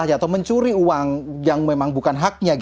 atau mencuri uang yang memang bukan haknya